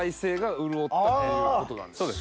そうです。